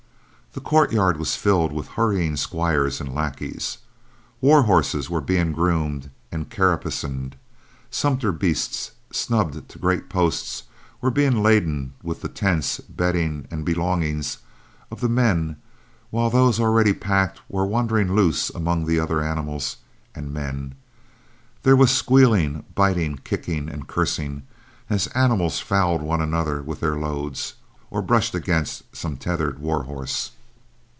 The courtyard was filled with hurrying squires and lackeys. War horses were being groomed and caparisoned; sumpter beasts, snubbed to great posts, were being laden with the tents, bedding, and belongings of the men; while those already packed were wandering loose among the other animals and men. There was squealing, biting, kicking, and cursing as animals fouled one another with their loads, or brushed against some tethered war horse.